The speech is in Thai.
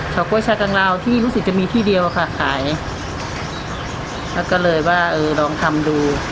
กล้วยชากังลาวที่รู้สึกจะมีที่เดียวอะค่ะขายแล้วก็เลยว่าเออลองทำดู